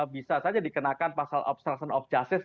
bisa saja dikenakan pasal obstruction of justice